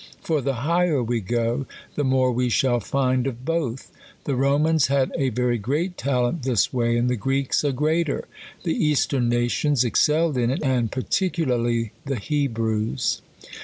For the higher we go, the more we shall find of both. The Romans had a very great talent this way, and the Greeks a greater. The eastern nations excelled in it, and particularly the Hebrews.